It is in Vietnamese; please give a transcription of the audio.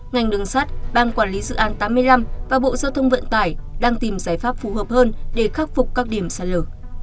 ngành đường sắt ban quản lý dự án tám mươi năm và bộ giao thông vận tải đang tìm giải pháp phù hợp hơn để khắc phục các điểm sạt lở